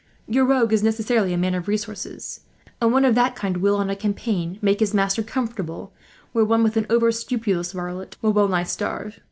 Your rogue is necessarily a man of resources; and one of that kind will, on a campaign, make his master comfortable, where one with an over scrupulous varlet will well nigh starve.